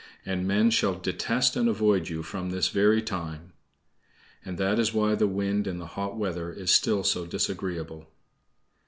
And men shall detest and avoid you from this very time." (And that is why the Wind in the hot weather is still so disagreeable.)